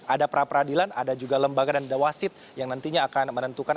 ada pra peradilan ada juga lembaga dan wasit yang nantinya akan menentukan